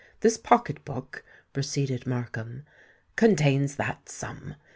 This pocket book," proceeded Markham, "contains that sum.